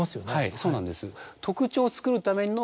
そうなんです。